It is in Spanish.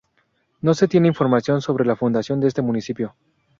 No se tienen información sobre la fundación de este Municipio.